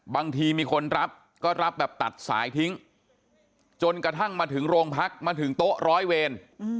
บางทีมีคนรับก็รับแบบตัดสายทิ้งจนกระทั่งมาถึงโรงพักมาถึงโต๊ะร้อยเวร